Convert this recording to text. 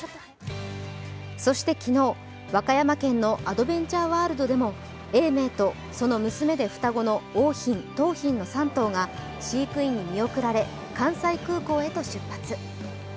そして昨日、和歌山県のアドベンチャーワールドでも永明と、その娘で双子の桜浜・桃浜の３頭が飼育員に見送られ、関西空港へと出発。